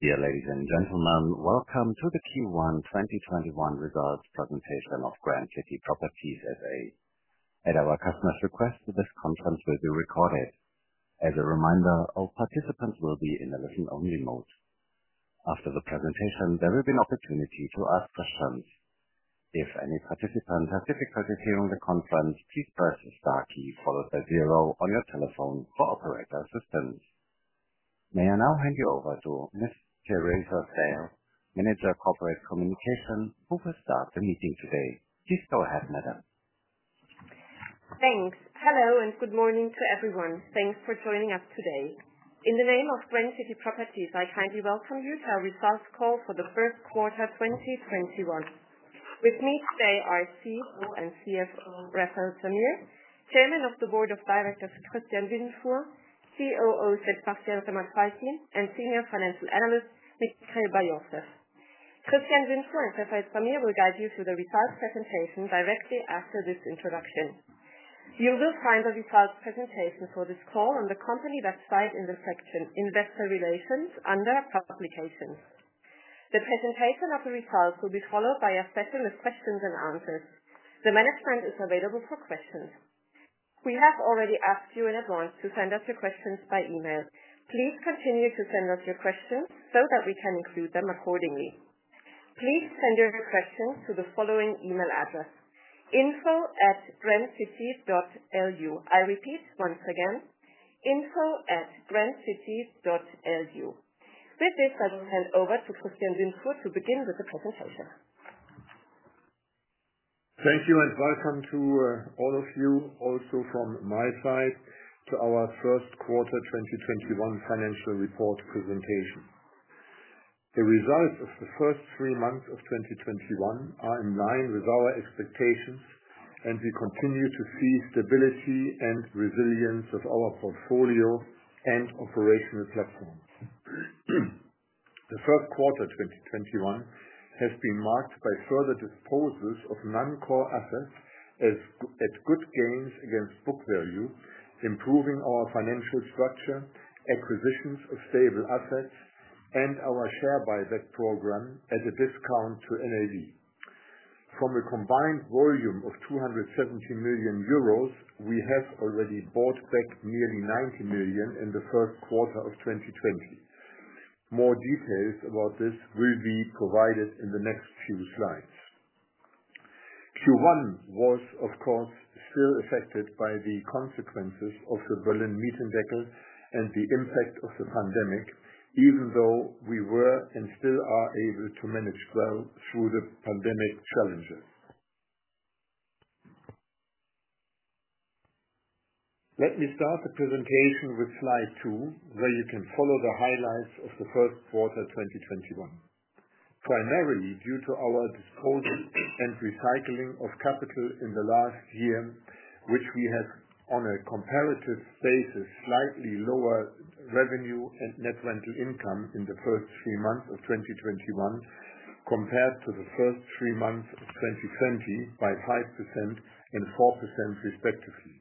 Dear ladies and gentlemen, welcome to the Q1 2021 results presentation of Grand City Properties S.A. At our customers' request, this conference will be recorded. As a reminder, all participants will be in a listen-only mode. After the presentation, there will be an opportunity to ask questions. If any participant has difficulty hearing the conference, please press the star key followed by zero on your telephone for operator assistance. May I now hand you over to Ms. Teresa Zale, Manager of Corporate Communication, who will start the meeting today. Please go ahead, madam. Thanks. Hello, and good morning to everyone. Thanks for joining us today. In the name of Grand City Properties, I kindly welcome you to our results call for the first quarter 2021. With me today are CEO and CFO, Refael Zamir, Chairman of the Board of Directors, Christian Windfuhr, COO, Sebastian Remmert-Faltin, and Senior Financial Analyst, Michael Bar-Yosef. Christian Windfuhr and Refael Zamir will guide you through the results presentation directly after this introduction. You will find the results presentation for this call on the company website in the section Investor Relations under Publications. The presentation of the results will be followed by a session with questions and answers. The management is available for questions. We have already asked you in advance to send us your questions by email. Please continue to send us your questions so that we can include them accordingly. Please send your questions to the following email address: info@grandcity.lu. I repeat, once again, info@grandcity.lu. With this, I'll hand over to Christian Windfuhr to begin with the presentation. Thank you, and welcome to all of you also from my side to our first quarter 2021 financial report presentation. The results of the first three months of 2021 are in line with our expectations, and we continue to see stability and resilience of our portfolio and operational platforms. The first quarter 2021 has been marked by further disposals of non-core assets at good gains against book value, improving our financial structure, acquisitions of stable assets, and our share buyback program at a discount to NAV. From a combined volume of 270 million euros, we have already bought back nearly 90 million in the first quarter of 2020. More details about this will be provided in the next few slides. Q1 was, of course, still affected by the consequences of the Berlin Mietendeckel and the impact of the pandemic, even though we were and still are able to manage well through the pandemic challenges. Let me start the presentation with slide two, where you can follow the highlights of the first quarter 2021. Primarily due to our disposal and recycling of capital in the last year, which we had, on a comparative basis, slightly lower revenue and net rental income in the first three months of 2021, compared to the first three months of 2020 by 5% and 4% respectively.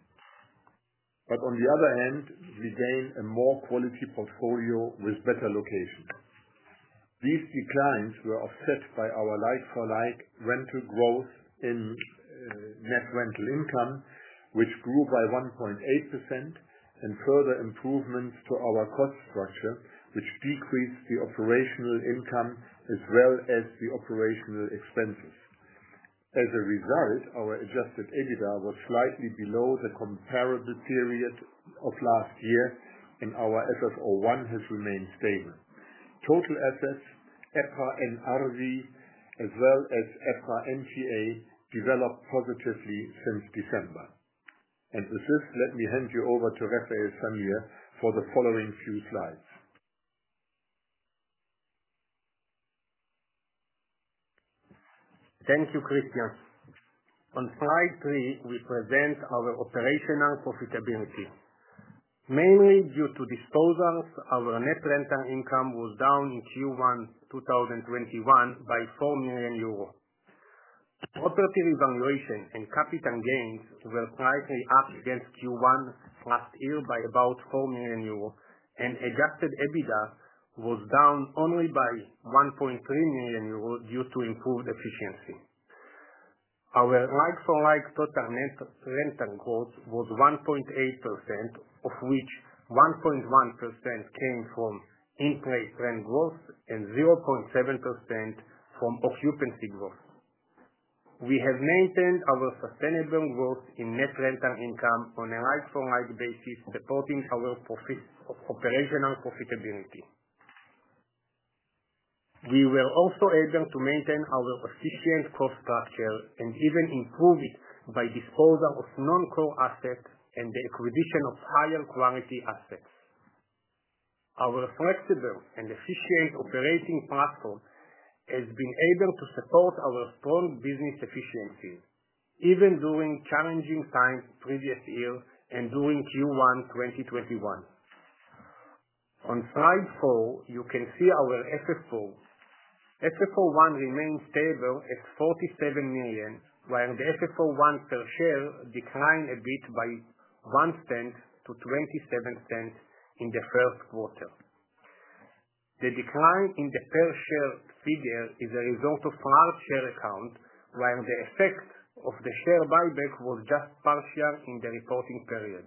On the other hand, we gained a more quality portfolio with better locations. These declines were offset by our like-for-like rental growth in net rental income, which grew by 1.8%, and further improvements to our cost structure, which decreased the operational income as well as the operational expenses. As a result, our adjusted EBITDA was slightly below the comparable period of last year, and our FFO1 has remained stable. Total assets, EPRA NRV, as well as EPRA NTA, developed positively since December. With this, let me hand you over to Refael Zamir for the following few slides. Thank you, Christian. On slide three, we present our operational profitability. Mainly due to disposals, our net rental income was down in Q1 2021 by EUR 4 million. Property valuation and capital gains were slightly up against Q1 last year by about 4 million euros, and adjusted EBITDA was down only by 1.3 million euros due to improved efficiency. Our like-for-like total net rental growth was 1.8%, of which 1.1% came from in-place rent growth and 0.7% from occupancy growth. We have maintained our sustainable growth in net rental income on a like-for-like basis, supporting our operational profitability. We were also able to maintain our efficient cost structure and even improve it by disposal of non-core assets and the acquisition of higher quality assets. Our flexible and efficient operating platform has been able to support our strong business efficiency, even during challenging times previous year and during Q1 2021. On slide four, you can see our FFO1 remains stable at 47 million, while the FFO1 per share declined a bit by 0.01 to 0.27 in the first quarter. The decline in the per share figure is a result of large share account, while the effect of the share buyback was just partial in the reporting period.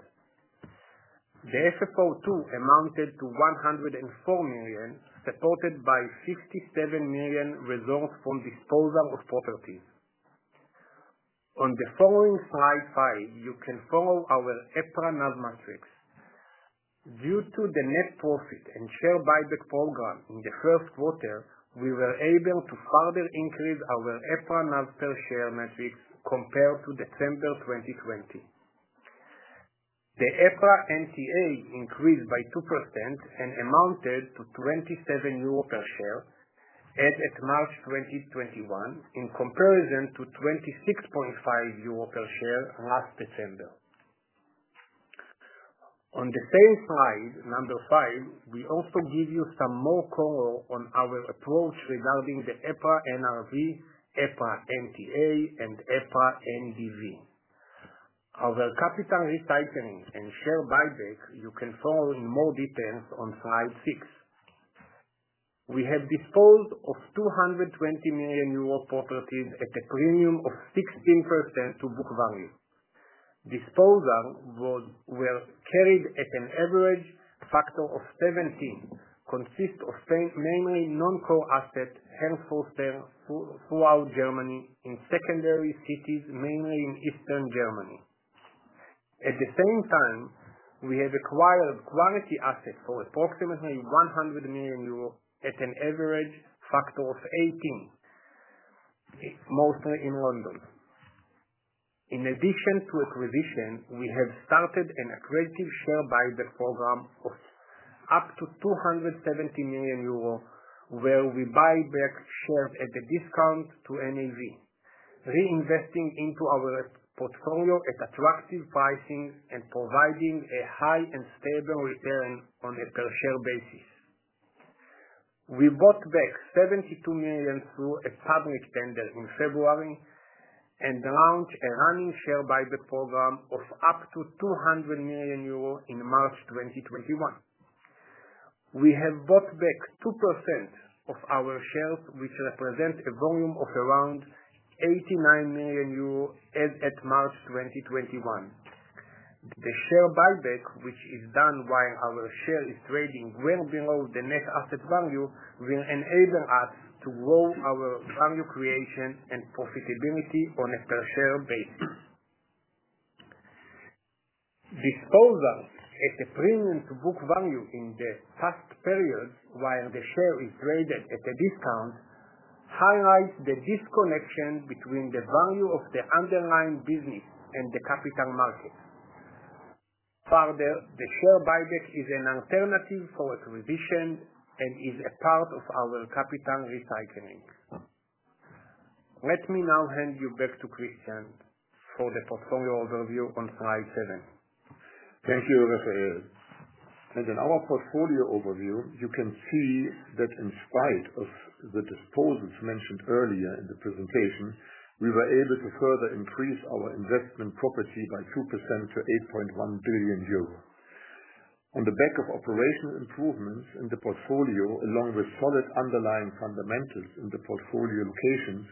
The FFO 2 amounted to 104 million, supported by 67 million results from disposal of properties. On the following slide five, you can follow our EPRA NAV metrics. Due to the net profit and share buyback program in the first quarter, we were able to further increase our EPRA NAV per share metrics compared to December 2020. The EPRA NTA increased by 2% and amounted to 27 euro per share as at March 2021, in comparison to 26.5 euro per share last December. On the same slide five, we also give you some more color on our approach regarding the EPRA NRV, EPRA NTA, and EPRA NDV. Our capital recycling and share buyback, you can follow in more details on slide six. We have disposed of 220 million euro properties at a premium of 16% to book value. Disposals were carried at an average factor of 17, consist of mainly non-core assets held for sale throughout Germany in secondary cities, mainly in Eastern Germany. At the same time, we have acquired quality assets for approximately 100 million euros at an average factor of 18, mostly in London. In addition to acquisition, we have started an aggressive share buyback program of up to 270 million euro, where we buy back shares at a discount to NAV, reinvesting into our portfolio at attractive pricing and providing a high and stable return on a per share basis. We bought back 72 million through a public tender in February and launched a running share buyback program of up to 200 million euro in March 2021. We have bought back 2% of our shares, which represent a volume of around 89 million euro as at March 2021. The share buyback, which is done while our share is trading well below the net asset value, will enable us to grow our value creation and profitability on a per share basis. Disposals at a premium to book value in the past periods, while the share is traded at a discount, highlights the disconnection between the value of the underlying business and the capital market. Further, the share buyback is an alternative for acquisition and is a part of our capital recycling. Let me now hand you back to Christian for the portfolio overview on slide seven. Thank you, Refael. In our portfolio overview, you can see that in spite of the disposals mentioned earlier in the presentation, we were able to further increase our investment property by 2% to 8.1 billion euro. On the back of operational improvements in the portfolio, along with solid underlying fundamentals in the portfolio locations,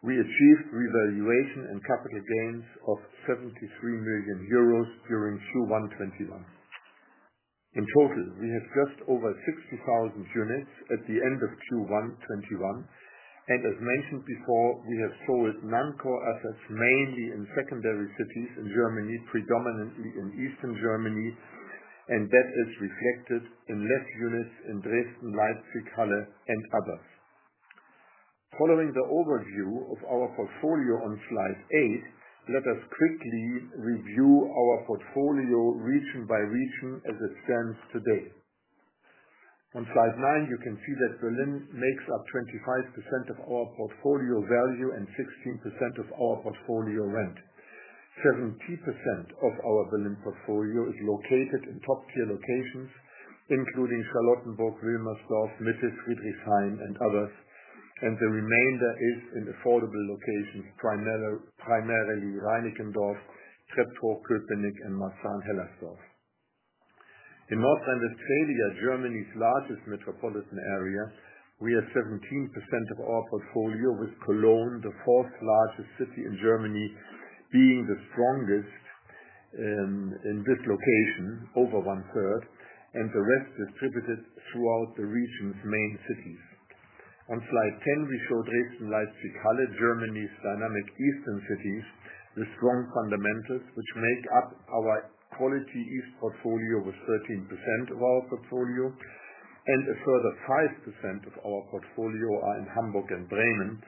we achieved revaluation and capital gains of 73 million euros during Q1 2021. In total, we have just over 60,000 units at the end of Q1 2021. As mentioned before, we have sold non-core assets mainly in secondary cities in Germany, predominantly in Eastern Germany, and that is reflected in less units in Dresden, Leipzig, Halle, and others. Following the overview of our portfolio on slide eight, let us quickly review our portfolio region by region as it stands today. On slide nine, you can see that Berlin makes up 25% of our portfolio value and 16% of our portfolio rent. 70% of our Berlin portfolio is located in top-tier locations, including Charlottenburg, Wilmersdorf, Mitte, Friedrichshain, and others, and the remainder is in affordable locations, primarily Reinickendorf, Treptow-Köpenick, and Marzahn-Hellersdorf. In North Rhine-Westphalia, Germany's largest metropolitan area, we have 17% of our portfolio with Cologne, the fourth largest city in Germany, being the strongest in this location, over one-third, and the rest distributed throughout the region's main cities. On slide 10, we show Dresden, Leipzig, Halle, Germany's dynamic eastern cities with strong fundamentals, which make up our quality east portfolio with 13% of our portfolio. A further 5% of our portfolio are in Hamburg and Bremen,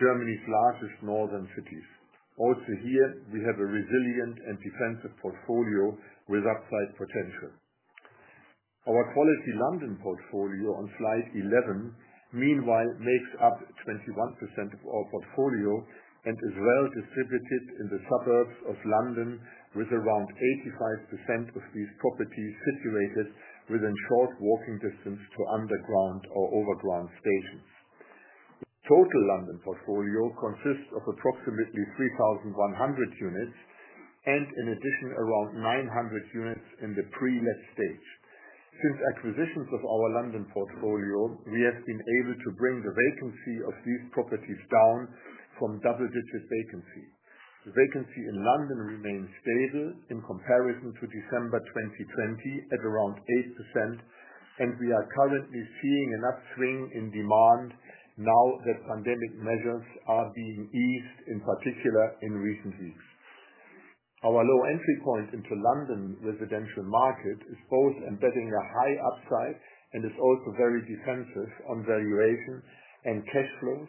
Germany's largest northern cities. Also here, we have a resilient and defensive portfolio with upside potential. Our quality London portfolio on slide 11, meanwhile, makes up 21% of our portfolio and is well distributed in the suburbs of London, with around 85% of these properties situated within short walking distance to underground or overground stations. Total London portfolio consists of approximately 3,100 units and in addition, around 900 units in the pre-let stage. Since acquisitions of our London portfolio, we have been able to bring the vacancy of these properties down from double-digit vacancy. Vacancy in London remains stable in comparison to December 2020 at around 8%. We are currently seeing an upswing in demand now that pandemic measures are being eased, in particular, in recent weeks. Our low entry point into London residential market is both embedding a high upside. Is also very defensive on valuations and cash flows.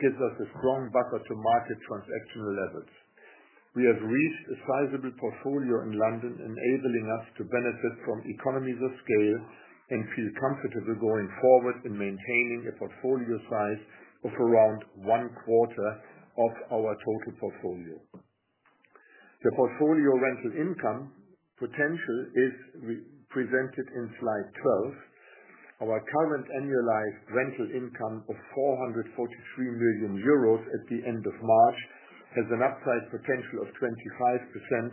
Gives us a strong buffer to market transactional levels. We have reached a sizable portfolio in London, enabling us to benefit from economies of scale and feel comfortable going forward in maintaining a portfolio size of around one quarter of our total portfolio. The portfolio rental income potential is presented in slide 12. Our current annualized rental income of 443 million euros at the end of March has an upside potential of 25%,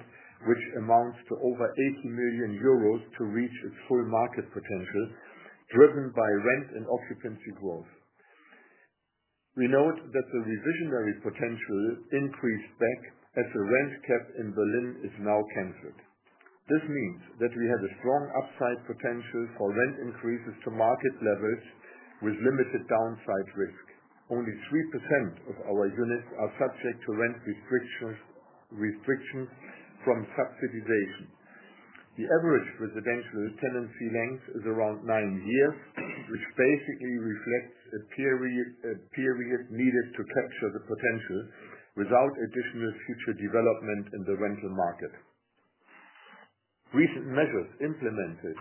which amounts to over 80 million euros to reach its full market potential, driven by rent and occupancy growth. We note that the revisionary potential increased back as the rent cap in Berlin is now canceled. This means that we have a strong upside potential for rent increases to market levels with limited downside risk. Only 3% of our units are subject to rent restrictions from subsidization. The average residential tenancy length is around nine years, which basically reflects a period needed to capture the potential without additional future development in the rental market. Recent measures implemented,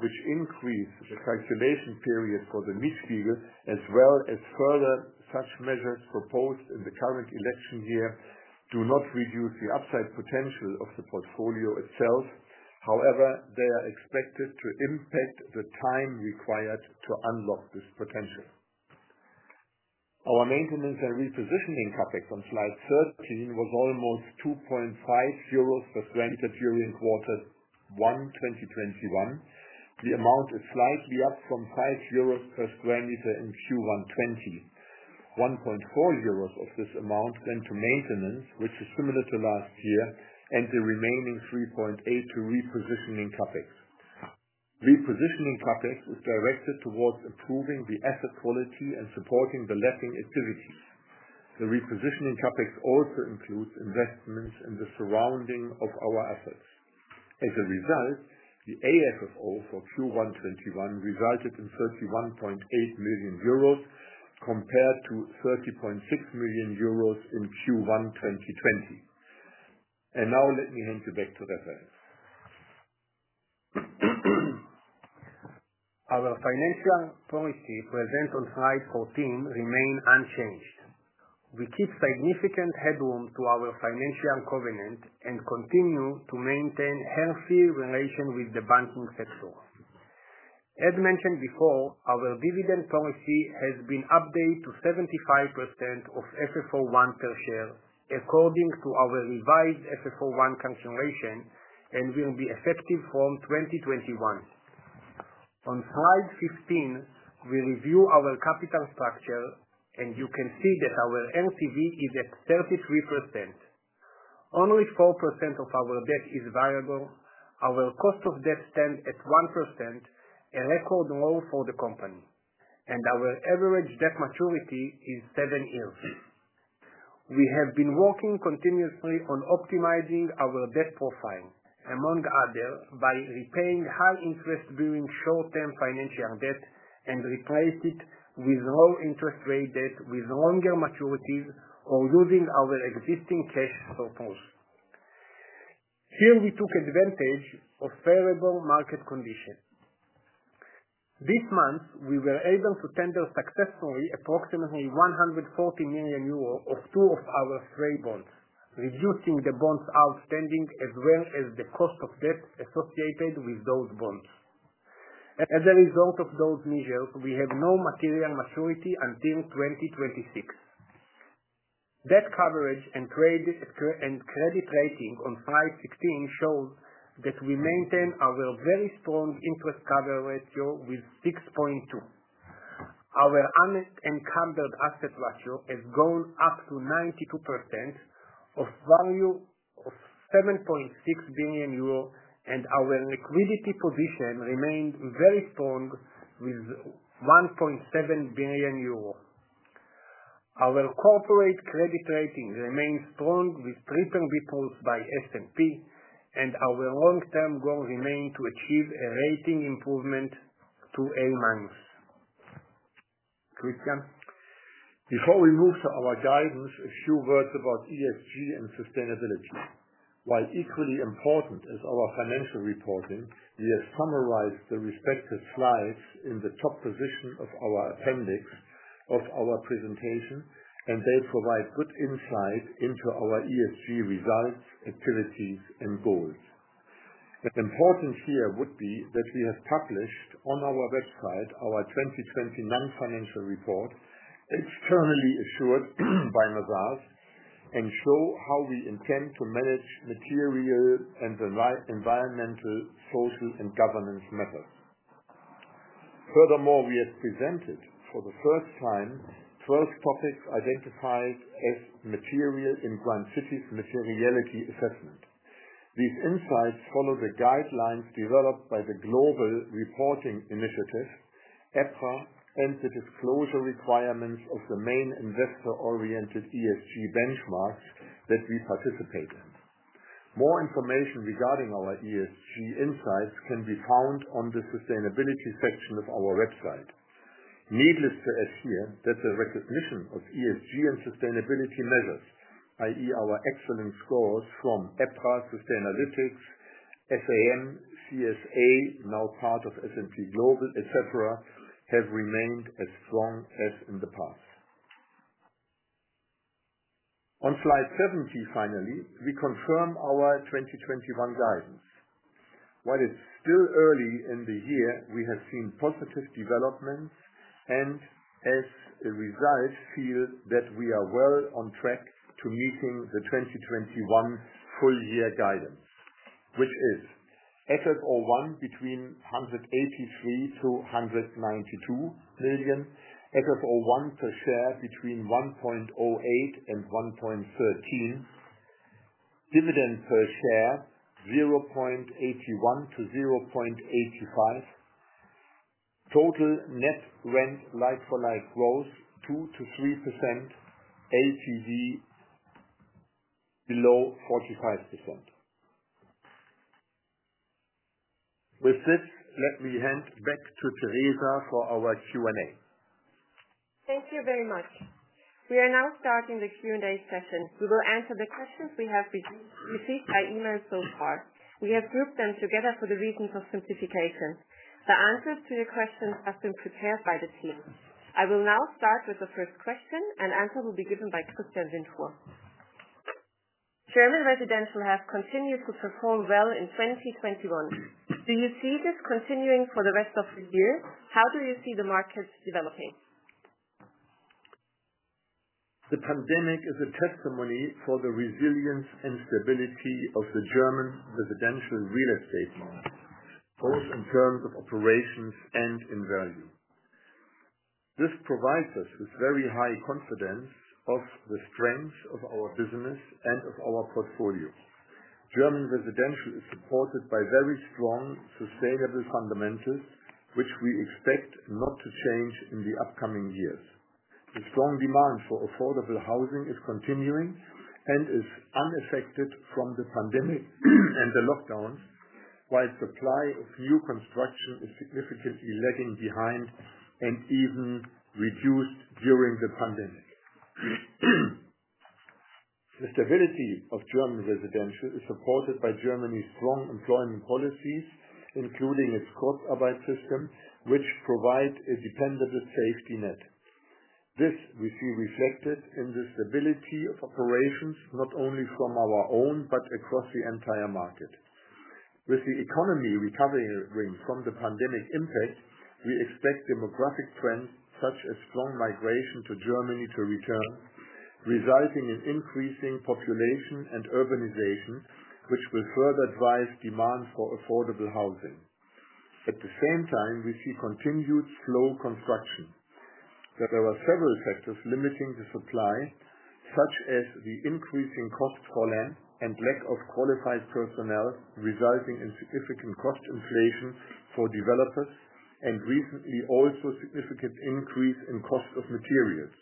which increase the calculation period for the Mietspiegel, as well as further such measures proposed in the current election year, do not reduce the upside potential of the portfolio itself. However, they are expected to impact the time required to unlock this potential. Our maintenance and repositioning CapEx on slide 13 was almost 5.2 euros per sq m during quarter one 2021. The amount is slightly up from 5 euros per sq m in Q1 2020. 1.4 euros of this amount went to maintenance, which is similar to last year. The remaining 3.8 to repositioning CapEx. Repositioning CapEx is directed towards improving the asset quality and supporting the letting activities. The repositioning CapEx also includes investments in the surrounding of our assets. As a result, the AFFO for Q1 2021 resulted in 31.8 million euros compared to 30.6 million euros in Q1 2020. Now let me hand you back to Refael. Our financial policy present on slide 14 remain unchanged. We keep significant headroom to our financial covenant and continue to maintain healthy relation with the banking sector. As mentioned before, our dividend policy has been updated to 75% of FFO1 per share according to our revised FFO1 calculation and will be effective from 2021. On slide 15, we review our capital structure, and you can see that our LTV is at 33%. Only 4% of our debt is variable. Our cost of debt stands at 1%, a record low for the company. Our average debt maturity is seven years. We have been working continuously on optimizing our debt profile, among other, by repaying high interest-bearing short-term financial debt and replace it with low interest rate debt with longer maturities or using our existing cash surplus. Here, we took advantage of favorable market conditions. This month, we were able to tender successfully approximately 140 million euro of two of our trade bonds, reducing the bonds outstanding as well as the cost of debt associated with those bonds. As a result of those measures, we have no material maturity until 2026. Debt coverage and credit rating on slide 16 shows that we maintain our very strong interest cover ratio with 6.2. Our unencumbered asset ratio has gone up to 92% of value of 7.6 billion euro, and our liquidity position remained very strong with 1.7 billion euro. Our corporate credit rating remains strong with triple B plus by S&P, and our long-term goal remain to achieve a rating improvement to A minus. Christian? Before we move to our guidance, a few words about ESG and sustainability. While equally important as our financial reporting, we have summarized the respective slides in the top position of our appendix of our presentation, and they provide good insight into our ESG results, activities, and goals. Important here would be that we have published on our website our 2020 non-financial report, externally assured by Mazars, and show how we intend to manage material and environmental, social, and governance measures. Furthermore, we have presented for the first time 12 topics identified as material in Grand City's materiality assessment. These insights follow the guidelines developed by the Global Reporting Initiative, EPRA, and the disclosure requirements of the main investor-oriented ESG benchmarks that we participate in. More information regarding our ESG insights can be found on the sustainability section of our website. Needless to assure that the recognition of ESG and sustainability measures, i.e. our excellent scores from Sustainalytics, SAM, CSA, now part of S&P Global, et cetera, have remained as strong as in the past. On slide 17, finally, we confirm our 2021 guidance. While it's still early in the year, we have seen positive developments, and as a result, feel that we are well on track to meeting the 2021 full year guidance, which is FFO1 between 183 million-192 million. FFO1 per share between 1.08 and 1.13. Dividend per share, 0.81-0.85. Total net rent like-for-like growth, 2%-3%. LTV below 45%. With this, let me hand back to Teresa for our Q&A. Thank you very much. We are now starting the Q&A session. We will answer the questions we have received by email so far. We have grouped them together for the reasons of simplification. The answers to the questions have been prepared by the team. I will now start with the first question, and answer will be given by Christian Windfuhr. German residential has continued to perform well in 2021. Do you see this continuing for the rest of the year? How do you see the markets developing? The pandemic is a testimony for the resilience and stability of the German residential real estate market, both in terms of operations and in value. This provides us with very high confidence of the strength of our business and of our portfolios. German residential is supported by very strong, sustainable fundamentals, which we expect not to change in the upcoming years. The strong demand for affordable housing is continuing and is unaffected from the pandemic and the lockdowns, while supply of new construction is significantly lagging behind and even reduced during the pandemic. The stability of German residential is supported by Germany's strong employment policies, including its Kurzarbeit system, which provide a dependable safety net. This we see reflected in the stability of operations, not only from our own, but across the entire market. With the economy recovering from the pandemic impact, we expect demographic trends such as strong migration to Germany to return, resulting in increasing population and urbanization, which will further drive demand for affordable housing. At the same time, we see continued slow construction. There are several factors limiting the supply, such as the increasing cost for land and lack of qualified personnel, resulting in significant cost inflation for developers and recently, also significant increase in cost of materials.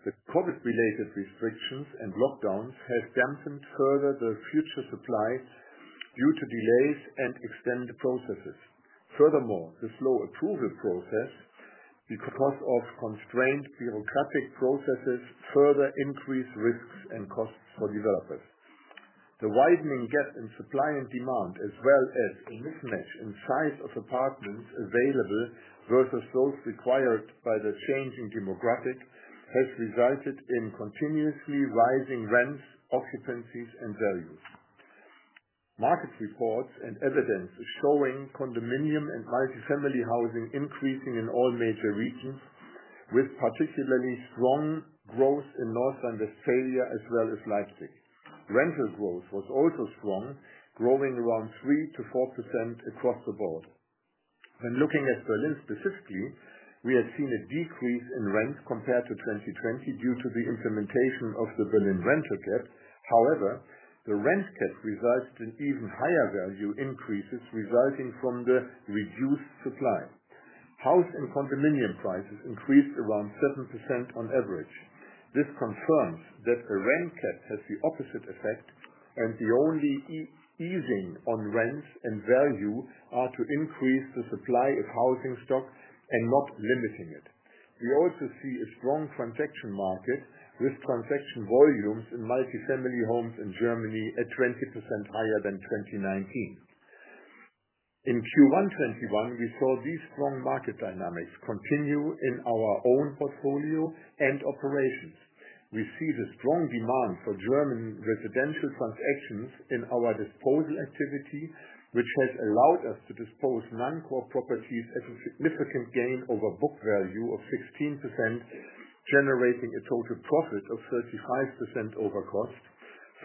The COVID-related restrictions and lockdowns have dampened further the future supply due to delays and extended processes. Furthermore, the slow approval process because of constrained bureaucratic processes further increase risks and costs for developers. The widening gap in supply and demand, as well as a mismatch in size of apartments available versus those required by the changing demographic, has resulted in continuously rising rents, occupancies, and values. Market reports and evidence is showing condominium and multi-family housing increasing in all major regions, with particularly strong growth in North Rhine-Westphalia as well as Leipzig. Rental growth was also strong, growing around 3%-4% across the board. When looking at Berlin specifically, we have seen a decrease in rent compared to 2020 due to the implementation of the Berlin rent cap. However, the rent cap results in even higher value increases resulting from the reduced supply. House and condominium prices increased around 7% on average. This confirms that the rent cap has the opposite effect, and the only easing on rents and value are to increase the supply of housing stock and not limiting it. We also see a strong transaction market with transaction volumes in multi-family homes in Germany at 20% higher than 2019. In Q1 2021, we saw these strong market dynamics continue in our own portfolio and operations. We see the strong demand for German residential transactions in our disposal activity, which has allowed us to dispose non-core properties at a significant gain over book value of 16%, generating a total profit of 35% over cost,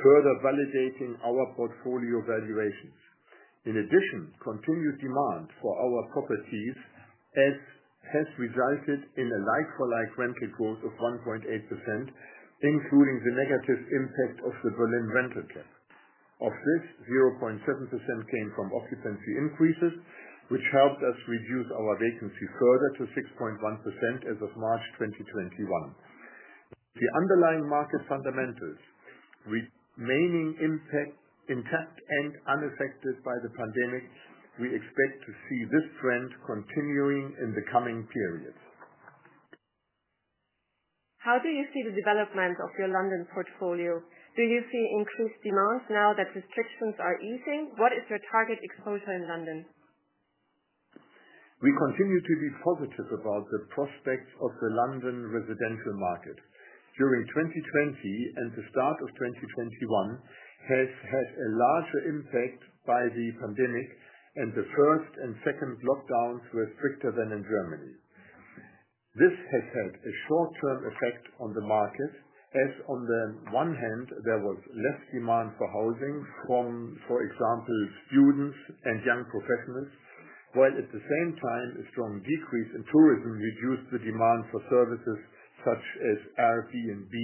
further validating our portfolio valuations. In addition, continued demand for our properties has resulted in a like-for-like rental growth of 1.8%, including the negative impact of the Berlin Mietendeckel. Of this, 0.7% came from occupancy increases, which helped us reduce our vacancy further to 6.1% as of March 2021. The underlying market fundamentals remaining intact and unaffected by the pandemic, we expect to see this trend continuing in the coming periods. How do you see the development of your London portfolio? Do you see increased demands now that restrictions are easing? What is your target exposure in London? We continue to be positive about the prospects of the London residential market. During 2020 and the start of 2021 has had a larger impact by the pandemic, and the first and second lockdowns were stricter than in Germany. This has had a short-term effect on the market, as on the one hand, there was less demand for housing from, for example, students and young professionals, while at the same time, a strong decrease in tourism reduced the demand for services such as Airbnb,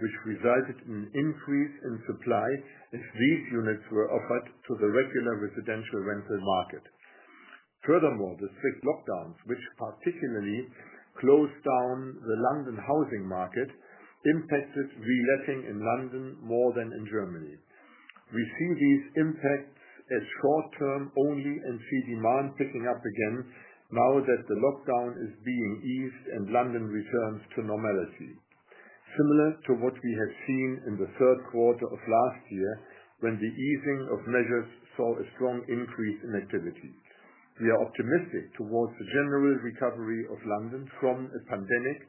which resulted in increase in supply as these units were offered to the regular residential rental market. Furthermore, the strict lockdowns, which particularly closed down the London housing market, impacted reletting in London more than in Germany. We see these impacts as short-term only and see demand picking up again now that the lockdown is being eased and London returns to normalcy. Similar to what we have seen in the third quarter of last year, when the easing of measures saw a strong increase in activity. We are optimistic towards the general recovery of London from a pandemic,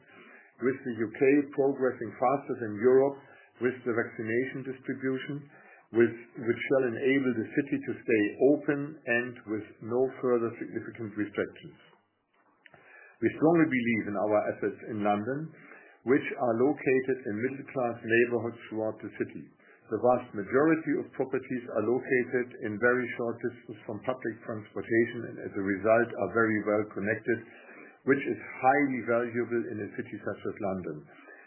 with the U.K. progressing faster than Europe with the vaccination distribution, which shall enable the city to stay open and with no further significant restrictions. We strongly believe in our assets in London, which are located in middle-class neighborhoods throughout the city. The vast majority of properties are located in very short distance from public transportation and as a result, are very well connected, which is highly valuable in a city such as London.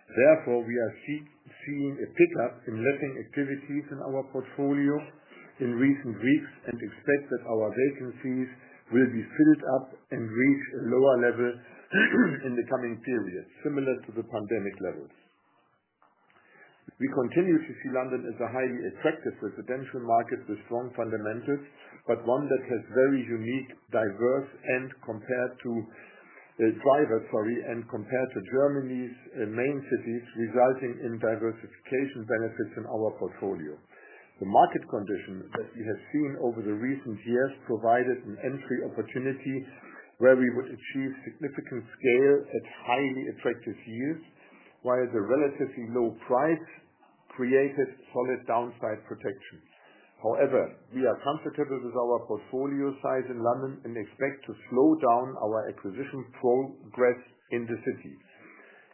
Therefore, we are seeing a pickup in letting activities in our portfolio in recent weeks and expect that our vacancies will be filled up and reach a lower level in the coming period, similar to the pandemic levels. We continue to see London as a highly attractive residential market with strong fundamentals, but one that has very unique, diverse, drivers, sorry, and compared to Germany's main cities, resulting in diversification benefits in our portfolio. The market conditions that we have seen over the recent years provided an entry opportunity where we would achieve significant scale at highly attractive yields, while the relatively low price created solid downside protection. However, we are comfortable with our portfolio size in London and expect to slow down our acquisition progress in the city.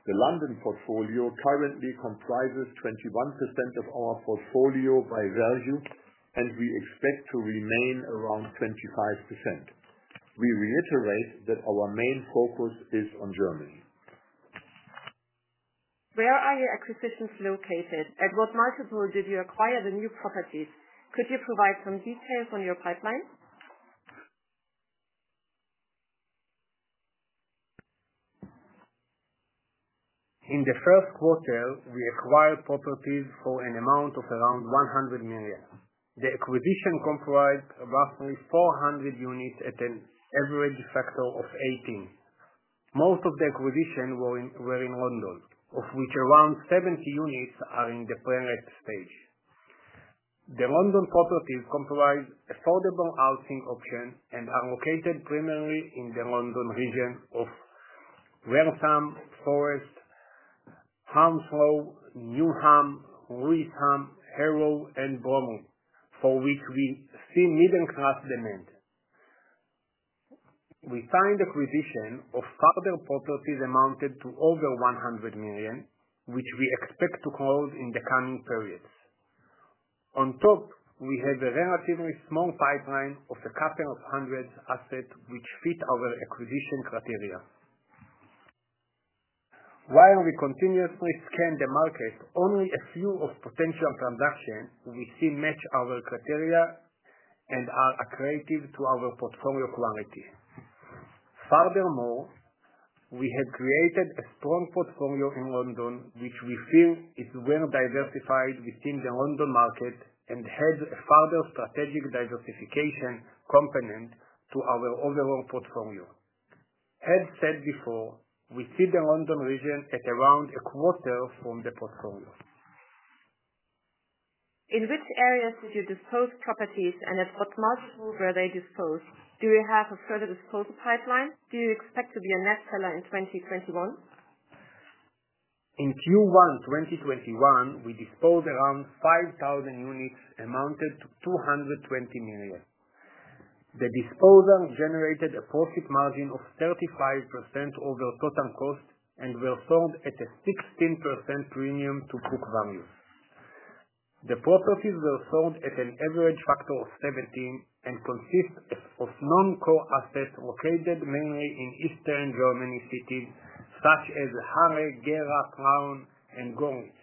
The London portfolio currently comprises 21% of our portfolio by value, and we expect to remain around 25%. We reiterate that our main focus is on Germany. Where are your acquisitions located? At what multiple did you acquire the new properties? Could you provide some details on your pipeline? In the first quarter, we acquired properties for an amount of around 100 million. The acquisition comprised roughly 400 units at an average factor of 18. Most of the acquisition were in London, of which around 70 units are in the planned stage. The London properties comprise affordable housing options and are located primarily in the London region of Waltham Forest, Hounslow, Newham, Waltham, Harrow, and Bromley, for which we see middle-class demand. We signed acquisition of further properties amounted to over 100 million, which we expect to close in the coming periods. On top, we have a relatively small pipeline of a couple of hundred assets which fit our acquisition criteria. While we continuously scan the market, only a few of potential transactions we see match our criteria and are accretive to our portfolio quality. Furthermore, we have created a strong portfolio in London, which we feel is well diversified within the London market and has a further strategic diversification component to our overall portfolio. As said before, we see the London region at around a quarter from the portfolio. In which areas did you dispose properties and at what multiple were they disposed? Do you have a further disposal pipeline? Do you expect to be a net seller in 2021? In Q1 2021, we disposed around 5,000 units amounted to 220 million. The disposal generated a profit margin of 35% over total cost and were sold at a 16% premium to book value. The properties were sold at an average factor of 17 and consist of non-core assets located mainly in Eastern Germany cities such as Halle, Gera, Plauen, and Görlitz,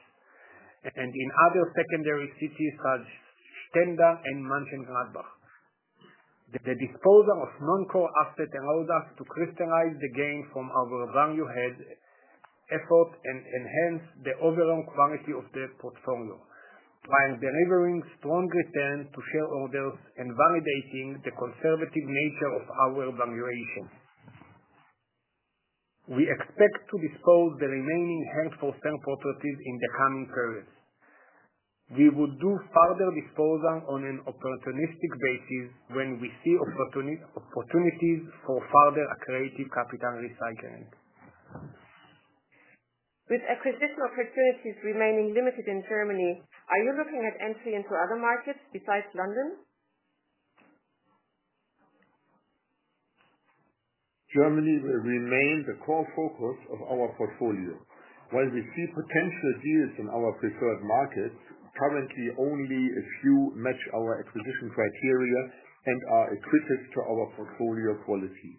and in other secondary cities such as Stendal and Mönchengladbach. The disposal of non-core assets allowed us to crystallize the gain from our value add effort and enhance the overall quality of the portfolio, while delivering strong returns to shareholders and validating the conservative nature of our valuation. We expect to dispose the remaining held-for-sale properties in the coming periods. We will do further disposal on an opportunistic basis when we see opportunities for further accretive capital recycling. With acquisition opportunities remaining limited in Germany, are you looking at entry into other markets besides London? Germany will remain the core focus of our portfolio. While we see potential deals in our preferred markets, currently only a few match our acquisition criteria and are accretive to our portfolio quality.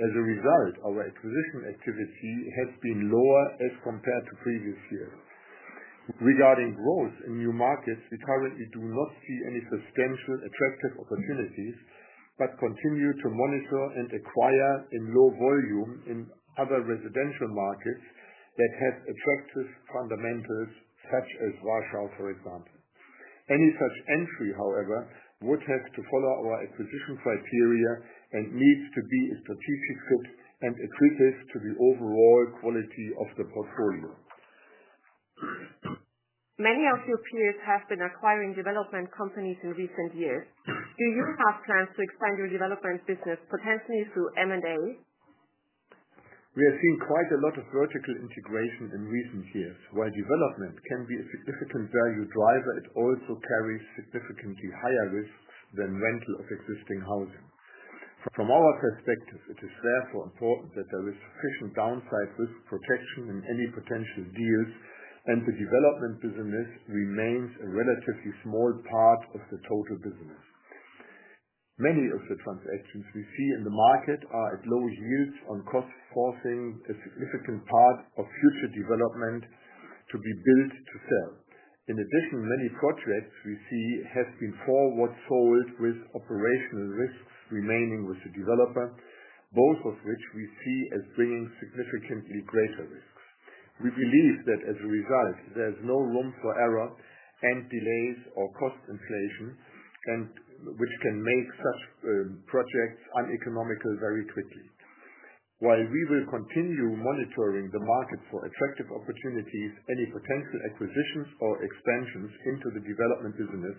As a result, our acquisition activity has been lower as compared to previous years. Regarding growth in new markets, we currently do not see any substantial attractive opportunities, but continue to monitor and acquire in low volume in other residential markets that have attractive fundamentals, such as Warsaw, for example. Any such entry, however, would have to follow our acquisition criteria and needs to be a strategic fit and accretive to the overall quality of the portfolio. Many of your peers have been acquiring development companies in recent years. Do you have plans to expand your development business, potentially through M&A? We have seen quite a lot of vertical integration in recent years. While development can be a significant value driver, it also carries significantly higher risks than rental of existing housing. From our perspective, it is therefore important that there is sufficient downside risk protection in any potential deals, and the development business remains a relatively small part of the total business. Many of the transactions we see in the market are at low yields on cost, forcing a significant part of future development to be built to sell. In addition, many projects we see have been forward sold with operational risks remaining with the developer, both of which we see as bringing significantly greater risks. We believe that as a result, there's no room for error and delays or cost inflation, and which can make such projects uneconomical very quickly. While we will continue monitoring the market for attractive opportunities, any potential acquisitions or expansions into the development business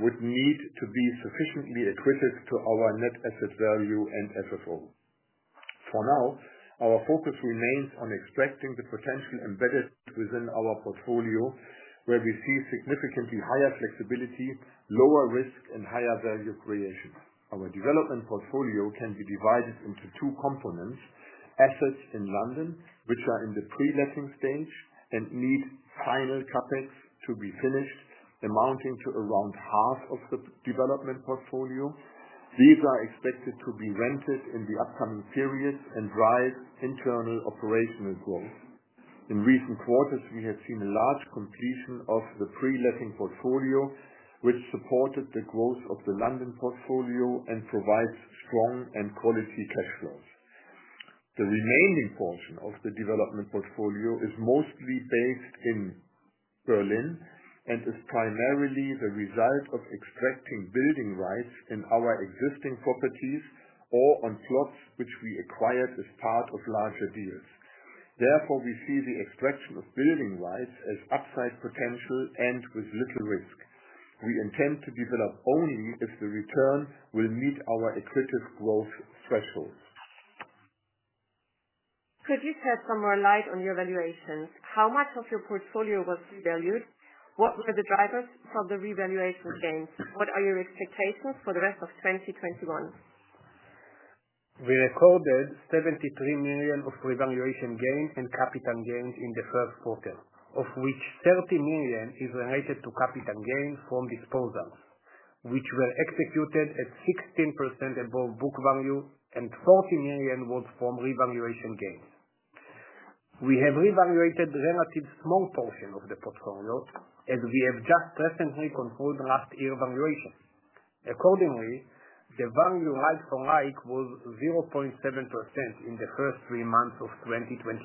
would need to be sufficiently accretive to our net asset value and FFO. For now, our focus remains on extracting the potential embedded within our portfolio, where we see significantly higher flexibility, lower risk, and higher value creation. Our development portfolio can be divided into 2 components. Assets in London, which are in the pre-letting stage and need final CapEx to be finished, amounting to around half of the development portfolio. These are expected to be rented in the upcoming periods and drive internal operational growth. In recent quarters, we have seen a large completion of the pre-letting portfolio, which supported the growth of the London portfolio and provides strong and quality cash flows. The remaining portion of the development portfolio is mostly based in Berlin and is primarily the result of extracting building rights in our existing properties or on plots which we acquired as part of larger deals. Therefore, we see the extraction of building rights as upside potential and with little risk. We intend to develop only if the return will meet our accretive growth thresholds. Could you shed some more light on your valuations? How much of your portfolio was revalued? What were the drivers for the revaluation gains? What are your expectations for the rest of 2021? We recorded 73 million of revaluation gains and capital gains in the first quarter, of which 30 million is related to capital gains from disposals, which were executed at 16% above book value and 40 million was from revaluation gains. We have revalued relatively small portion of the portfolio as we have just recently concluded last year valuation. Accordingly, the value like-for-like was 0.7% in the first three months of 2021.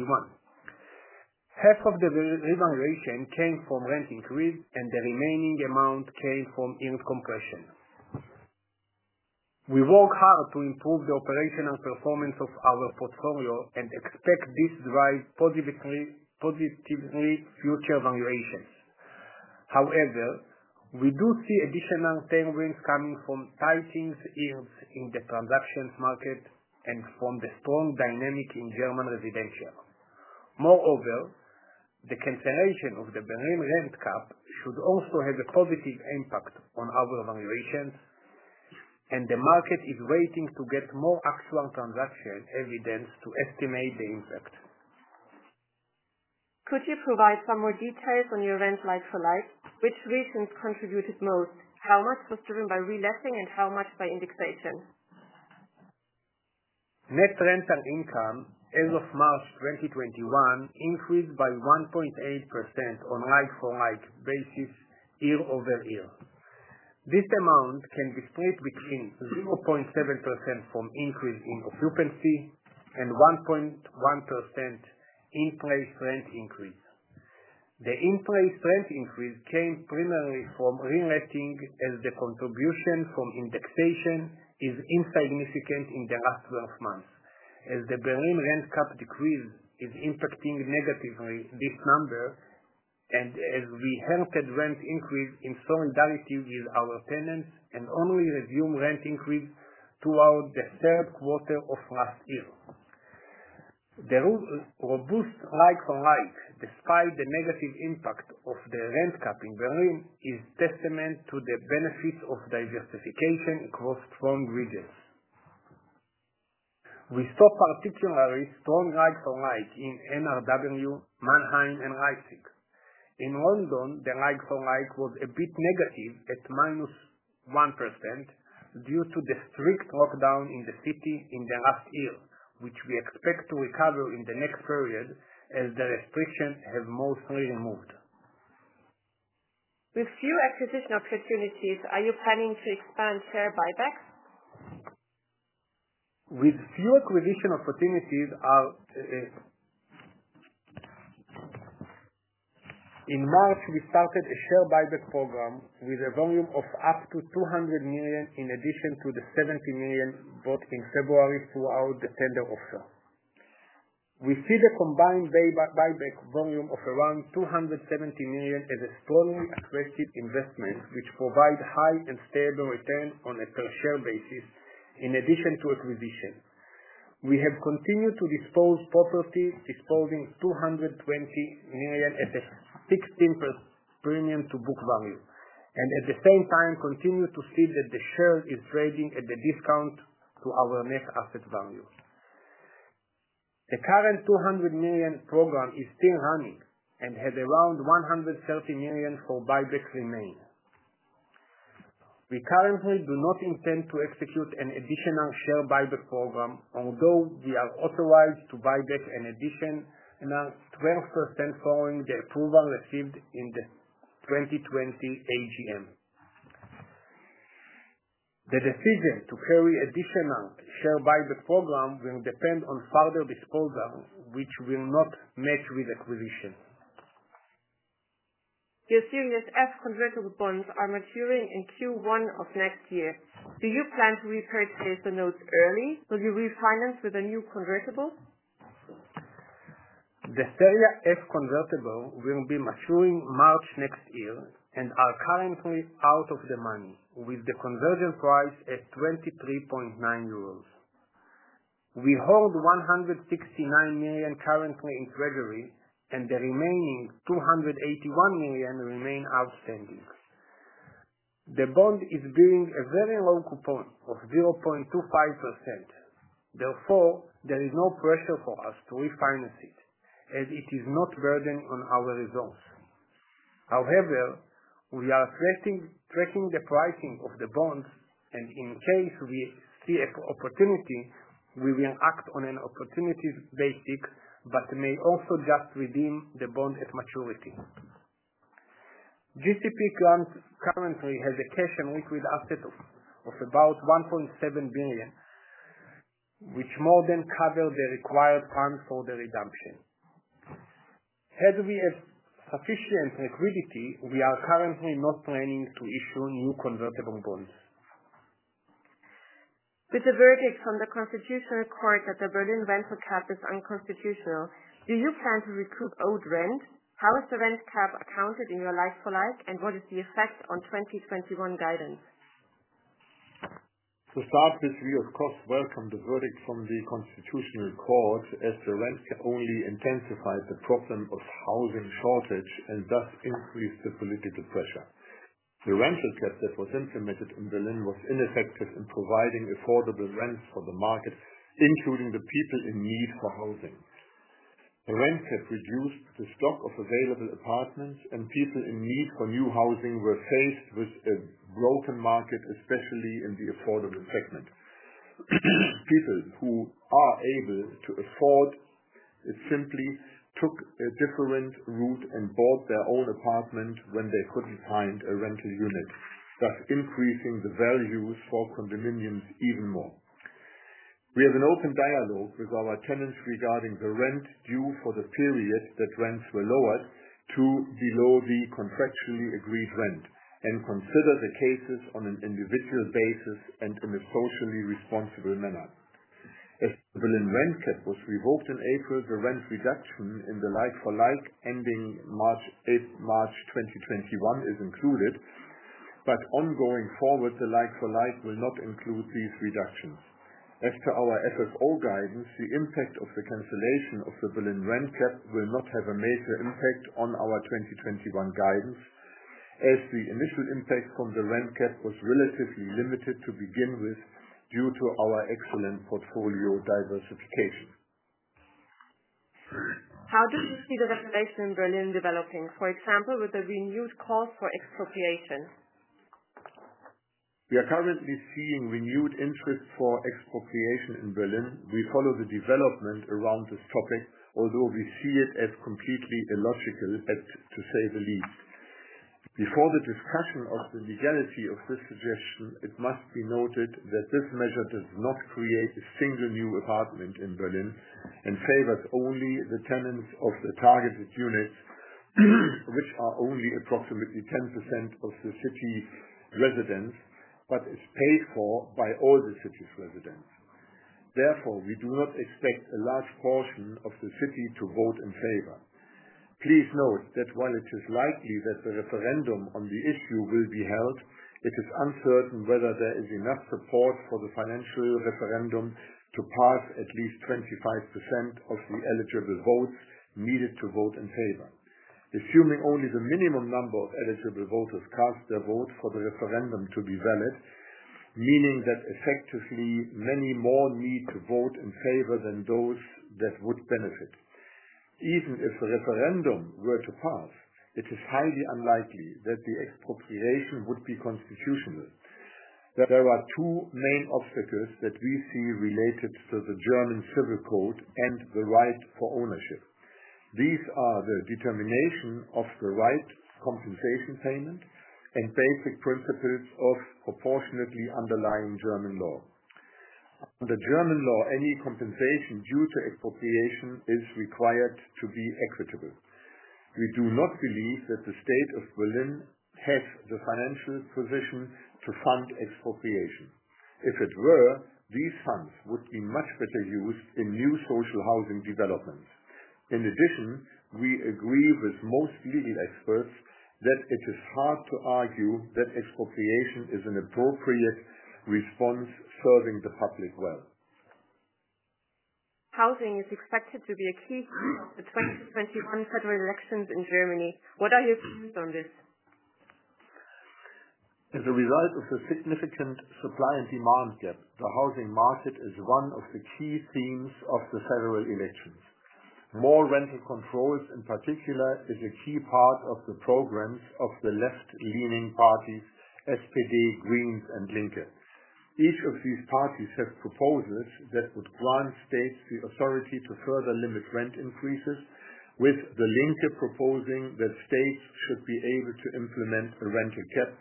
Half of the revaluation came from rent increase and the remaining amount came from yield compression. We work hard to improve the operational performance of our portfolio and expect this drives positively future valuations. We do see additional tailwinds coming from rising yields in the transactions market and from the strong dynamic in German residential. The cancellation of the Berlin rent cap should also have a positive impact on our valuations, and the market is waiting to get more actual transaction evidence to estimate the impact. Could you provide some more details on your rent like-for-like? Which regions contributed most? How much was driven by reletting and how much by indexation? Net rental income as of March 2021 increased by 1.8% on like-for-like basis year-over-year. This amount can be split between 0.7% from increase in occupancy and 1.1% in-place rent increase. The in-place rent increase came primarily from reletting as the contribution from indexation is insignificant in the last 12 months, as the Berlin Rent Cap decrease is impacting negatively this number, and as we halted rent increase in solidarity with our tenants and only resumed rent increase throughout the third quarter of last year. The robust like-for-like, despite the negative impact of the Rent Cap in Berlin, is testament to the benefits of diversification across strong regions. We saw particularly strong like-for-like in NRW, Mannheim, and Leipzig. In London, the like-for-like was a bit negative at -1% due to the strict lockdown in the city in the last year, which we expect to recover in the next period as the restrictions have mostly removed. With few acquisition opportunities, are you planning to expand share buybacks? With few acquisition opportunities, in March, we started a share buyback program with a volume of up to 200 million, in addition to the 70 million bought in February throughout the tender offer. We see the combined buyback volume of around 270 million as a strongly aggressive investment, which provide high and stable return on a per share basis, in addition to acquisition. We have continued to dispose properties, disposing 220 million at a 16% premium to book value, and at the same time continue to see that the share is trading at a discount to our net asset value. The current 200 million program is still running and has around 130 million for buybacks remaining. We currently do not intend to execute an additional share buyback program, although we are authorized to buyback an additional 12% following the approval received in the 2020 AGM. The decision to carry additional share buyback program will depend on further disposal, which will not match with acquisition. Your Series F convertible bonds are maturing in Q1 of next year. Do you plan to repurchase the notes early? Will you refinance with a new convertible? The Series F convertible will be maturing March next year and are currently out of the money, with the conversion price at 23.9 euros. We hold 169 million currently in treasury, and the remaining 281 million remain outstanding. The bond is bearing a very low coupon of 0.25%. Therefore, there is no pressure for us to refinance it, as it is not burden on our results. However, we are tracking the pricing of the bonds, and in case we see an opportunity, we will act on an opportunities basis, but may also just redeem the bond at maturity. GCP plans currently has a cash and liquid asset of about 1.7 billion, which more than cover the required funds for the redemption. Had we have sufficient liquidity, we are currently not planning to issue new convertible bonds. With the verdict from the Federal Constitutional Court that the Berlin rent cap is unconstitutional, do you plan to recoup old rent? How is the rent cap accounted in your like-for-like, and what is the effect on 2021 guidance? To start with, we, of course, welcome the verdict from the Constitutional Court, as the rent only intensified the problem of housing shortage and thus increased the political pressure. The rental cap that was implemented in Berlin was ineffective in providing affordable rents for the market, including the people in need for housing. The rent has reduced the stock of available apartments, and people in need for new housing were faced with a broken market, especially in the affordable segment. People who are able to afford it simply took a different route and bought their own apartment when they couldn't find a rental unit, thus increasing the value for condominiums even more. We have an open dialogue with our tenants regarding the rent due for the period that rents were lowered to below the contractually agreed rent, and consider the cases on an individual basis and in a socially responsible manner. As the Berlin rent cap was revoked in April, the rent reduction in the like for like ending March 8th, 2021 is included, but ongoing forward, the like for like will not include these reductions. As to our FFO guidance, the impact of the cancellation of the Berlin rent cap will not have a major impact on our 2021 guidance as the initial impact from the rent cap was relatively limited to begin with due to our excellent portfolio diversification. How do you see the regulation in Berlin developing, for example, with the renewed calls for expropriation? We are currently seeing renewed interest for expropriation in Berlin. We follow the development around this topic, although we see it as completely illogical, to say the least. Before the discussion of the legality of this suggestion, it must be noted that this measure does not create a single new apartment in Berlin and favors only the tenants of the targeted units, which are only approximately 10% of the city residents, but is paid for by all the city's residents. Therefore, we do not expect a large portion of the city to vote in favor. Please note that while it is likely that the referendum on the issue will be held, it is uncertain whether there is enough support for the financial referendum to pass at least 25% of the eligible votes needed to vote in favor. Assuming only the minimum number of eligible voters cast their vote for the referendum to be valid, meaning that effectively many more need to vote in favor than those that would benefit. Even if the referendum were to pass, it is highly unlikely that the expropriation would be constitutional. There are two main obstacles that we see related to the German Civil Code and the right for ownership. These are the determination of the right compensation payment and basic principles of proportionately underlying German law. Under German law, any compensation due to expropriation is required to be equitable. We do not believe that the state of Berlin has the financial position to fund expropriation. If it were, these funds would be much better used in new social housing developments. In addition, we agree with most legal experts that it is hard to argue that expropriation is an appropriate response serving the public well. Housing is expected to be a key in the 2021 federal elections in Germany. What are your views on this? As a result of the significant supply and demand gap, the housing market is one of the key themes of the federal elections. More rental controls, in particular, is a key part of the programs of the left-leaning parties, SPD, Greens, and Linke. Each of these parties have proposals that would grant states the authority to further limit rent increases with the Linke proposing that states should be able to implement a rental cap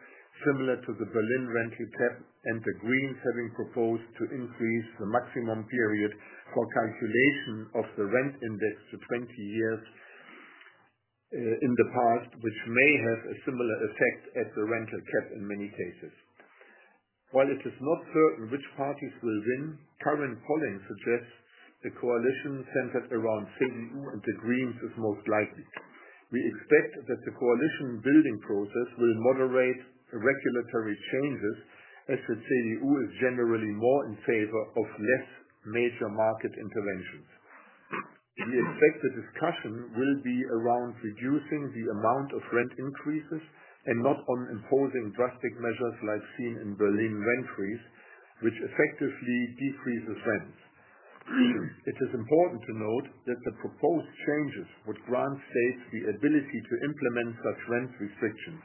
similar to the Berlin rental cap, and the Greens having proposed to increase the maximum period for calculation of the rent index to 20 years in the past, which may have a similar effect as the rental cap in many cases. While it is not certain which parties will win, current polling suggests the coalition centered around CDU and the Greens is most likely. We expect that the coalition-building process will moderate regulatory changes as the CDU is generally more in favor of less major market interventions. We expect the discussion will be around reducing the amount of rent increases and not on imposing drastic measures like seen in Berlin rent freeze, which effectively decreases rents. It is important to note that the proposed changes would grant states the ability to implement such rent restrictions.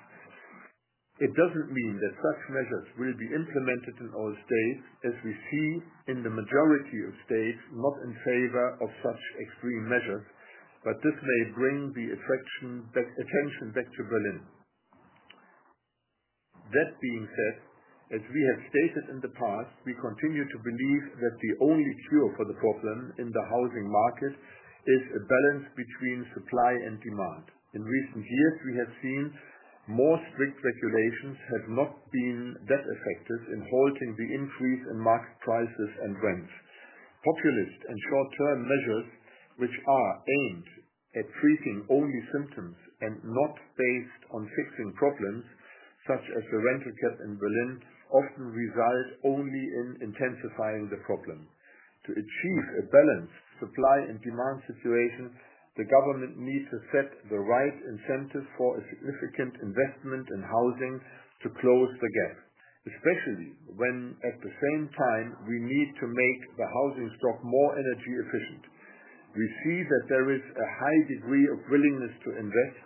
It doesn't mean that such measures will be implemented in all states as we see in the majority of states, not in favor of such extreme measures, but this may bring the attention back to Berlin. That being said, as we have stated in the past, we continue to believe that the only cure for the problem in the housing market is a balance between supply and demand. In recent years, we have seen more strict regulations have not been that effective in halting the increase in market prices and rents. Populist and short-term measures, which are aimed at treating only symptoms and not based on fixing problems, such as the rental cap in Berlin, often result only in intensifying the problem. To achieve a balanced supply and demand situation, the government needs to set the right incentives for a significant investment in housing to close the gap, especially when at the same time, we need to make the housing stock more energy efficient. We see that there is a high degree of willingness to invest,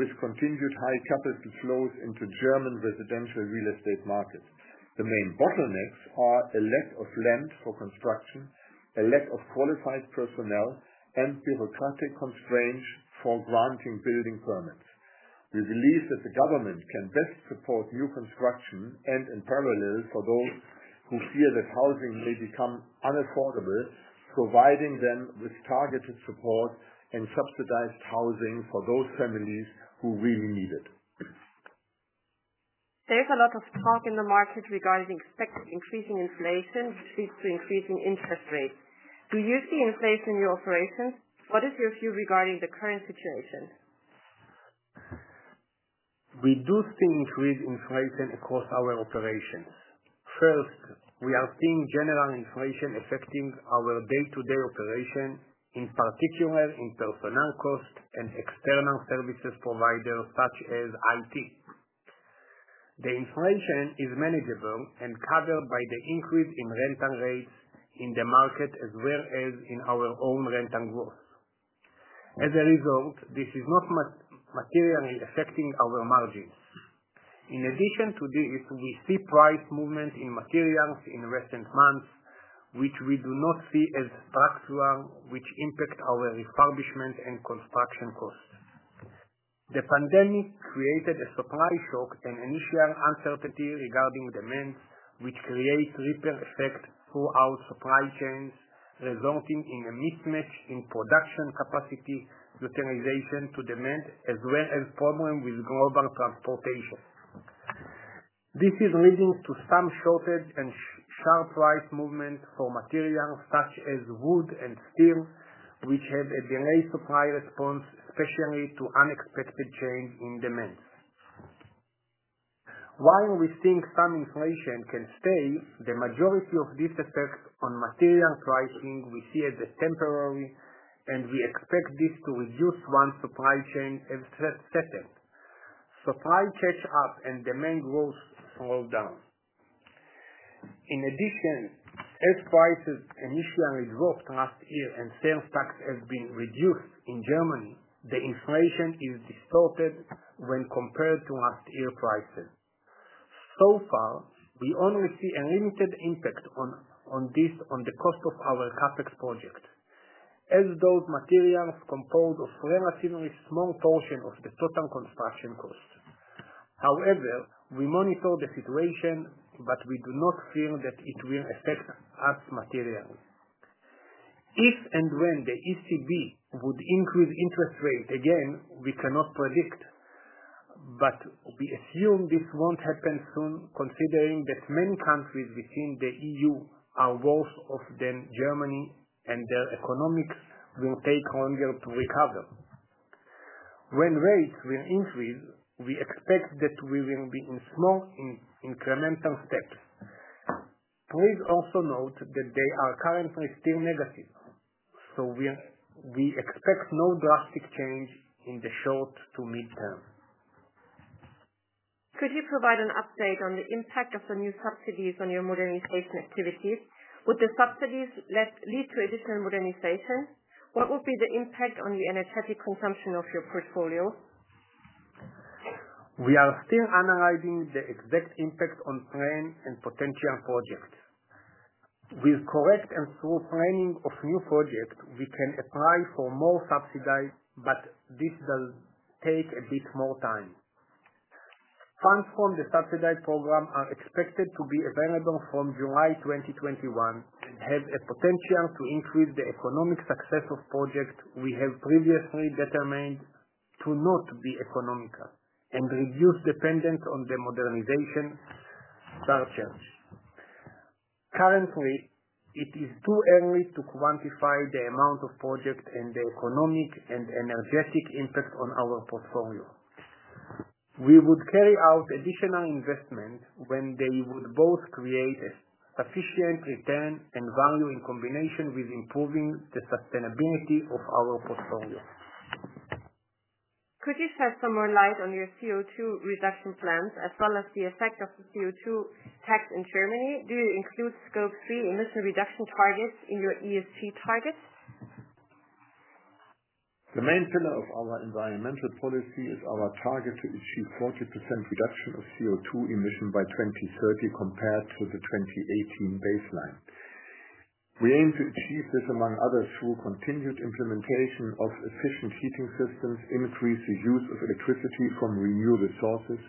with continued high capital flows into German residential real estate markets. The main bottlenecks are a lack of land for construction, a lack of qualified personnel, and bureaucratic constraints for granting building permits. We believe that the government can best support new construction and, in parallel, for those who fear that housing may become unaffordable, providing them with targeted support and subsidized housing for those families who really need it. There's a lot of talk in the market regarding expected increasing inflation, which leads to increasing interest rates. Do you see inflation in your operations? What is your view regarding the current situation? We do see increased inflation across our operations. First, we are seeing general inflation affecting our day-to-day operation, in particular in personnel cost and external services providers, such as IT. The inflation is manageable and covered by the increase in rental rates in the market, as well as in our own rental growth. As a result, this is not materially affecting our margins. In addition to this, we see price movement in materials in recent months, which we do not see as structural, which impact our refurbishment and construction costs. The pandemic created a supply shock and initial uncertainty regarding demand, which creates ripple effects throughout supply chains, resulting in a mismatch in production capacity utilization to demand, as well as problems with global transportation. This is leading to some shortage and sharp price movement for materials such as wood and steel, which have a delayed supply response, especially to unexpected change in demands. While we think some inflation can stay, the majority of this effect on material pricing, we see as temporary, and we expect this to reduce once supply chain has settled. Supply catches up and demand growth slows down. In addition, as prices initially dropped last year and sales tax has been reduced in Germany, the inflation is distorted when compared to last year prices. So far, we only see a limited impact on this on the cost of our CapEx projects, as those materials compose a relatively small portion of the total construction cost. However, we monitor the situation, but we do not feel that it will affect us materially. If and when the ECB would increase interest rates again, we cannot predict. We assume this won't happen soon, considering that many countries within the EU are worse off than Germany, and their economics will take longer to recover. When rates will increase, we expect that will be in small, incremental steps. Please also note that they are currently still negative. We expect no drastic change in the short to midterm. Could you provide an update on the impact of the new subsidies on your modernization activities? Would the subsidies lead to additional modernization? What would be the impact on the energetic consumption of your portfolio? We are still analyzing the exact impact on planned and potential projects. With correct and thorough planning of new projects, we can apply for more subsidies, but this will take a bit more time. Funds from the subsidy program are expected to be available from July 2021, and have a potential to increase the economic success of projects we have previously determined to not be economical, and reduce dependence on the modernization charges. Currently, it is too early to quantify the amount of projects and the economic and energetic impact on our portfolio. We would carry out additional investment when they would both create a sufficient return and value, in combination with improving the sustainability of our portfolio. Could you shed some more light on your CO2 reduction plans, as well as the effect of the CO2 tax in Germany? Do you include Scope 3 emission reduction targets in your ESG targets? The main pillar of our environmental policy is our target to achieve 40% reduction of CO2 emission by 2030 compared to the 2018 baseline. We aim to achieve this, among others, through continued implementation of efficient heating systems, increased use of electricity from renewable sources,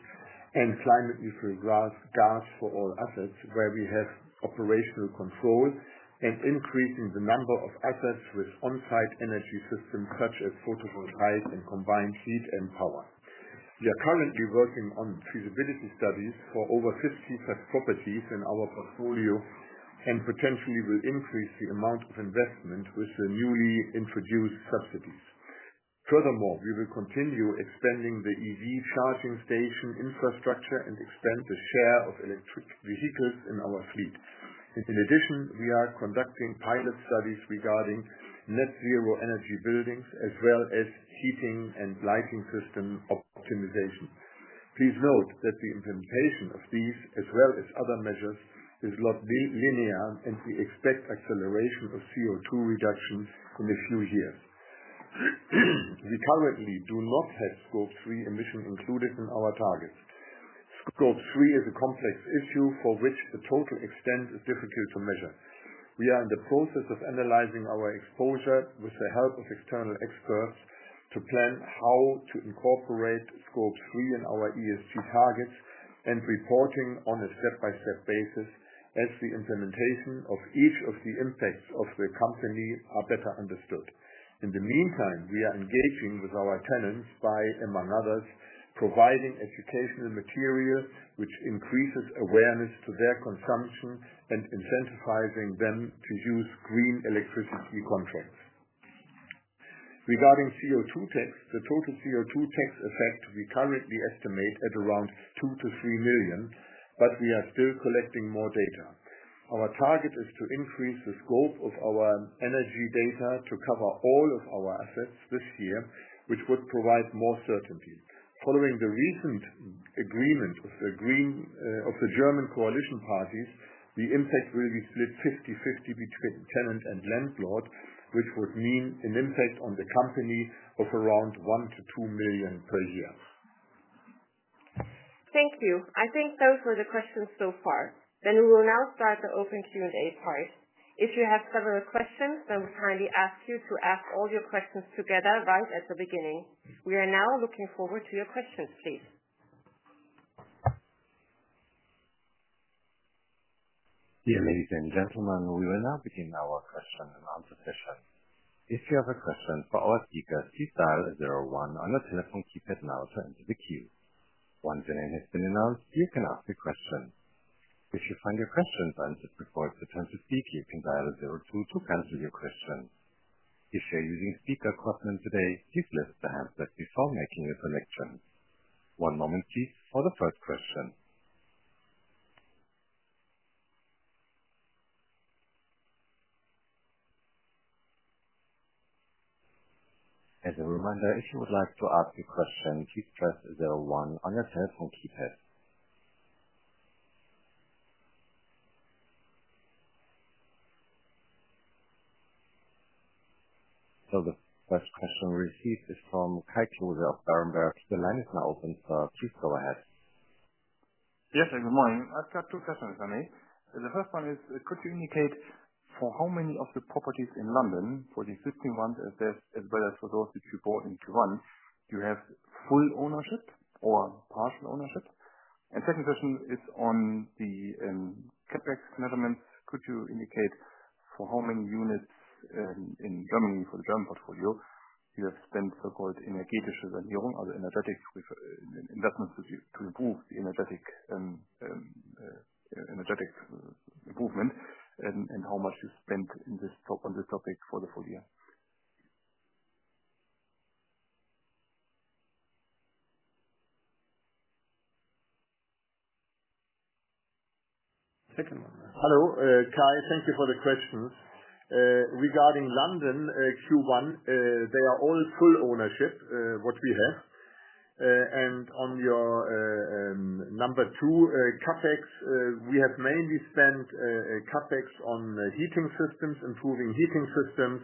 and climate-neutral gas for all assets where we have operational control, and increasing the number of assets with on-site energy systems such as photovoltaic and combined heat and power. We are currently working on feasibility studies for over 50 such properties in our portfolio, and potentially will increase the amount of investment with the newly introduced subsidies. Furthermore, we will continue expanding the EV charging station infrastructure and expand the share of electric vehicles in our fleet. In addition, we are conducting pilot studies regarding net-zero energy buildings, as well as heating and lighting system optimization. Please note that the implementation of these, as well as other measures, will not be linear, and we expect acceleration of CO2 reductions in a few years. We currently do not have Scope 3 emissions included in our targets. Scope 3 is a complex issue for which the total extent is difficult to measure. We are in the process of analyzing our exposure with the help of external experts to plan how to incorporate Scope 3 in our ESG targets and reporting on a step-by-step basis as the implementation of each of the impacts of the company are better understood. In the meantime, we are engaging with our tenants by, among others, providing educational material which increases awareness to their consumption and incentivizing them to use green electricity contracts. Regarding CO2 tax, the total CO2 tax effect, we currently estimate at around 2 million-3 million, but we are still collecting more data. Our target is to increase the scope of our energy data to cover all of our assets this year, which would provide more certainty. Following the recent agreement of the German coalition parties, the impact will be split 50/50 between tenant and landlord, which would mean an impact on the company of around 1 million-2 million per year. Thank you. I think those were the questions so far. We will now start the open Q&A part. If you have further questions, we kindly ask you to ask all your questions together right at the beginning. We are now looking forward to your questions, please. Dear ladies and gentlemen, we will now begin our question and answer session. If you have a question for our speakers, please dial zero one on your telephone keypad now to enter the queue. Once your name has been announced, you can ask your question. If you find your question answered before it's your turn to speak, you can dial zero two to cancel your question. If you are using speakerphone today, please lift the handset before making a selection. One moment please, for the first question. As a reminder, if you would like to ask a question, please press zero one on your telephone keypad. The first question received is from Kai Klose of Berenberg. The line is now open, sir. Please go ahead. Yes, good morning. I've got two questions for you. The first one is, could you indicate for how many of the properties in London, for the existing ones as well as for those which you bought in Q1, do you have full ownership or partial ownership? Second question is on the CapEx measurements. Could you indicate for how many units in Germany, for the German portfolio, you have spent so-called energetic reserve, other energetic investments to improve the energetic movement, and how much you spent on this topic for the full year. Hello, Kai. Thank you for the question. Regarding London Q1, they are all full ownership, what we have. On your number 2, CapEx, we have mainly spent CapEx on improving heating systems,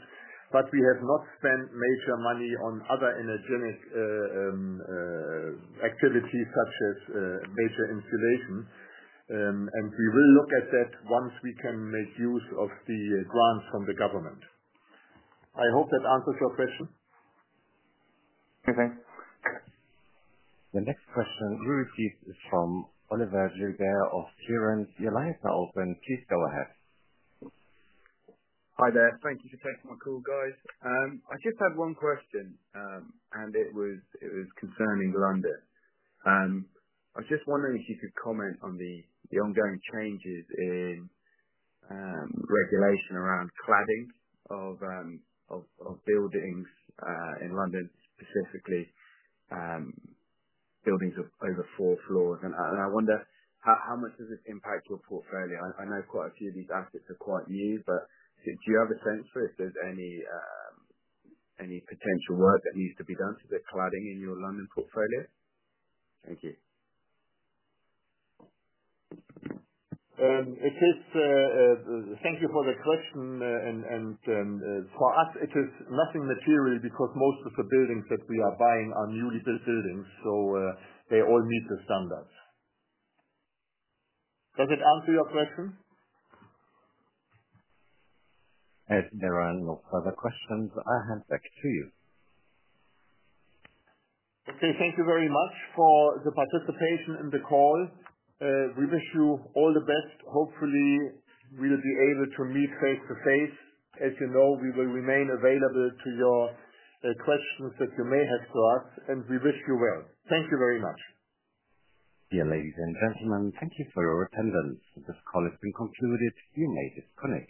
we have not spent major money on other energetic activities such as major insulation. We will look at that once we can make use of the grants from the government. I hope that answers your question. Okay. The next question we received is from Oliver Gilber of Truant. Your line is now open. Please go ahead. Hi there. Thank you for taking my call, guys. I just had one question, it was concerning London. I was just wondering if you could comment on the ongoing changes in regulation around cladding of buildings in London, specifically buildings of over four floors. I wonder how much does this impact your portfolio? I know quite a few of these assets are quite new, but do you have a sense for if there's any potential work that needs to be done to the cladding in your London portfolio? Thank you. Thank you for the question. For us, it is nothing material because most of the buildings that we are buying are newly built buildings, so they all meet the standards. Does it answer your question? As there are no further questions, I hand back to you. Okay. Thank you very much for the participation in the call. We wish you all the best. Hopefully, we will be able to meet face-to-face. As you know, we will remain available to your questions that you may have for us, and we wish you well. Thank you very much. Dear ladies and gentlemen, thank you for your attendance. This call has been concluded. You may disconnect.